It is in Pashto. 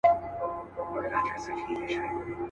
په سبا به آوازه سوه په وطن کي.